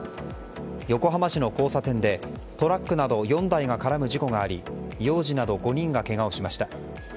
横浜市の交差点でトラックなど４台が絡む事故があり幼児など５人がけがをしました。